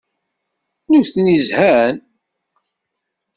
Nutni zhan.